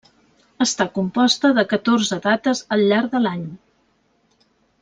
Està composta de catorze dates al llarg de l'any.